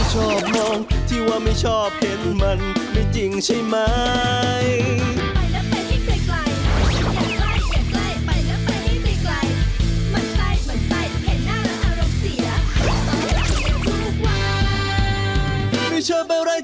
สวัสดีครับ